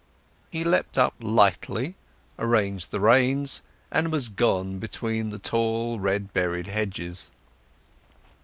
He leapt up lightly, arranged the reins, and was gone between the tall red berried hedges.